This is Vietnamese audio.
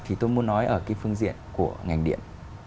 thì tôi muốn nói ở cái phương diện của ngành điện